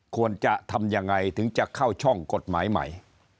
ควรจะทำยังไงถึงจะเข้าช่องกฎหมายใหม่